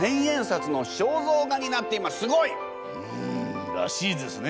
なんとんらしいですね。